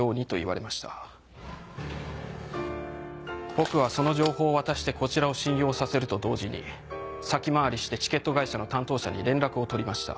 僕はその情報を渡してこちらを信用させると同時に先回りしてチケット会社の担当者に連絡を取りました。